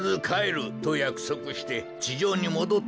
とやくそくしてちじょうにもどってきた。